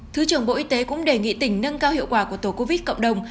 thứ trưởng bộ y tế cũng đề nghị tỉnh nâng cao hiệu quả của tổ covid cộng đồng